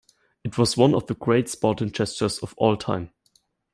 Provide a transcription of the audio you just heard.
It was one of the great sporting gestures of all time.